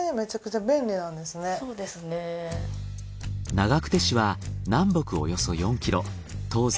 長久手市は南北およそ４ｋｍ東西